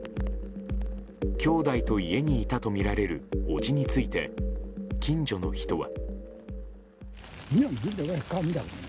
兄弟と家にいたとみられる伯父について近所の人は。